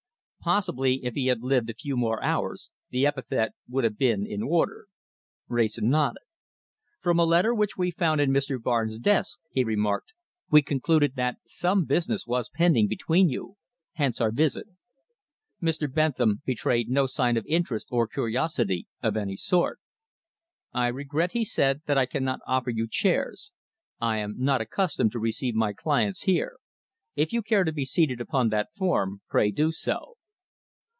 Possibly if he had lived a few more hours, the epithet would have been in order." Wrayson nodded. "From a letter which we found in Mr. Barnes' desk," he remarked, "we concluded that some business was pending between you. Hence our visit." Mr. Bentham betrayed no sign of interest or curiosity of any sort. "I regret," he said, "that I cannot offer you chairs. I am not accustomed to receive my clients here. If you care to be seated upon that form, pray do so."